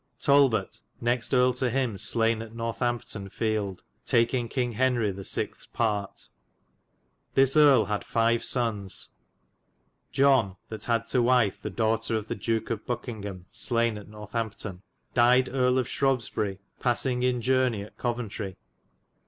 Talbot next erle to hym slayne at Northampton fild, takynge Kynge Henry the 6. parte. This erle had 5. sonnes, John (that had to wyfe the dowghtar of the Duke of Bukyngham, slayn at Northampton) dyed Erie of Shrobbesbery passynge in jorney at Coventrie.